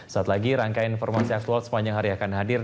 saat lagi rangkaian informasi aktual sepanjang hari akan hadir